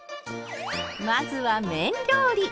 まずは麺料理。